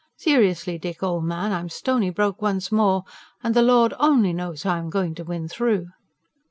SERIOUSLY, DICK, OLD MAN, I'M STONY BROKE ONCE MORE AND THE LORD ONLY KNOWS HOW I'M GOING TO WIN THROUGH.